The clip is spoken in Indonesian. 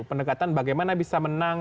pendekatan bagaimana bisa menang